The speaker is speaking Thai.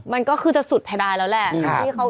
มันก็คือจะสุดแพร่ได้แล้วแหละ